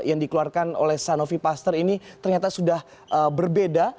yang dikeluarkan oleh sanofi pasteur ini ternyata sudah berbeda